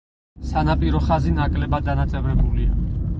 სანაპირო ხაზი ნაკლებად დანაწევრებულია.